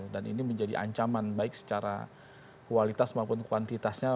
dan ini menjadi ancaman baik secara kualitas maupun kuantitasnya